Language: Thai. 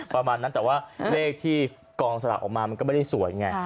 ประมาณนั้นแต่ว่าเลขที่กองสลากออกมามันก็ไม่ได้สวยไง